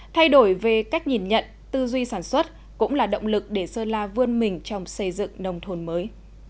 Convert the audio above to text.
thay đổi về cách nhìn nhận tư duy sản xuất cũng là động lực để sơn la vươn mình trong xây dựng nông thôn mới